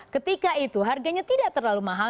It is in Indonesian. ketika itu harganya tidak terlalu mahal